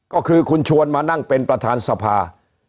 ก็คือคุณชวนมานั่งเป็นประธานสภา